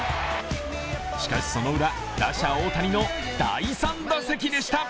しかし、そのウラ、打者・大谷の第３打席でした。